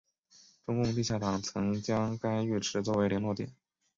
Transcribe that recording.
中共地下党曾将该浴池作为联络点。